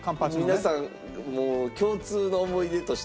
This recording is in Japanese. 皆さんの共通の思い出として。